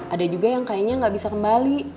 ada juga yang kayaknya nggak bisa kembali